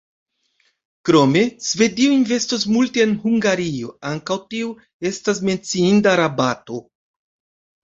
Krome Svedio investos multe en Hungario – ankaŭ tio estas menciinda rabato.